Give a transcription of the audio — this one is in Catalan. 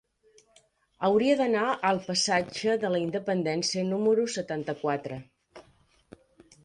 Hauria d'anar al passatge de la Independència número setanta-quatre.